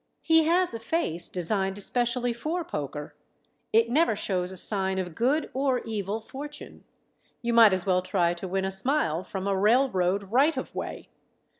He has a face designed especially for poker. It never shows a sign of good or evil fortune. You might as well try to win a smile from a railroad right of way.